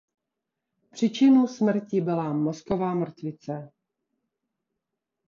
Příčinou smrti byla mozková mrtvice.